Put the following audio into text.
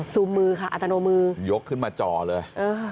ซูมมือค่ะมืออัตโนมือ